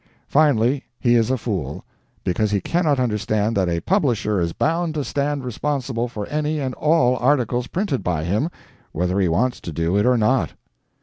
Finally, he is a fool, because he cannot understand that a publisher is bound to stand responsible for any and all articles printed by him, whether he wants to do it or not.